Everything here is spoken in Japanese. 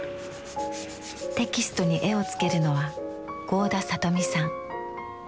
テキストに絵をつけるのは合田里美さん。